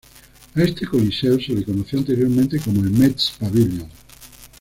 A este coliseo se le conocía anteriormente como el Mets Pavilion.